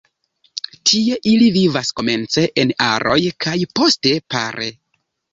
Tie ili vivas komence en aroj kaj poste pare.